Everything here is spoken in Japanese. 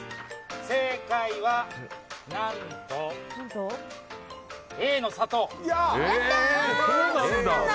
正解は、何とＡの砂糖！